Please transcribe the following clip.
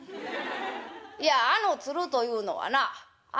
いやあのつるというのはなあ